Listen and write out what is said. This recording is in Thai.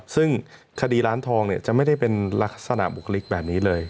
ซึ่งคดีร้านทองเนี่ยจะไม่ได้เป็นลักษณะบุคลิกแบบนี้เลย